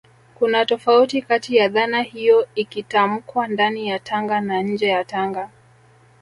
kuna tofauti kati ya dhana hiyo ikitamkwa ndani ya Tanga na nje ya Tanga